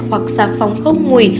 hoặc xà phòng khốc ngùi